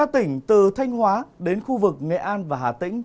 từ thanh hóa đến khu vực nghệ an và hà tĩnh